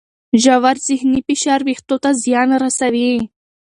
ژور ذهني فشار وېښتو ته زیان رسوي.